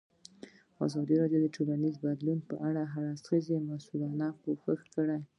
ازادي راډیو د ټولنیز بدلون په اړه د هر اړخیزو مسایلو پوښښ کړی.